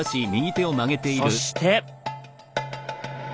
そして。